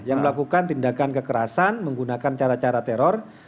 yang melakukan tindakan kekerasan menggunakan cara cara teror